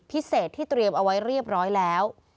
พิเศษที่เตรียมเอาไว้เรียบร้อยแล้ว